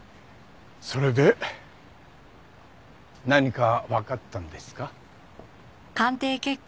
それで何かわかったんですか？